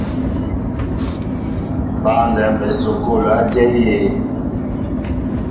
Băndɛm esukul a jȇl yé?